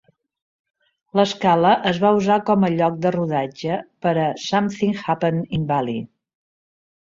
L'escala es va usar com a lloc de rodatge per a "Something Happened in Bali".